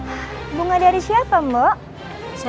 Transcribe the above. saya cuma ngadang minum powerpoint selbst saja